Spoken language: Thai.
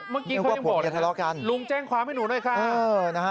เมื่อกี้เขายังบอกลุงแจ้งความให้หนูด้วยค่ะ